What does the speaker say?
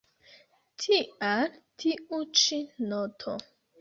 Tial tiu ĉi noto.